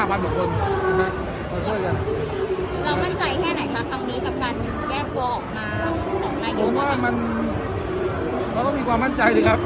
แก้ปลัวออกมาออกมาเยอะป่ะผมว่ามันเราต้องมีความมั่นใจสิครับ